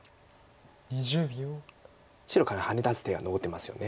白からハネ出す手が残ってますよね。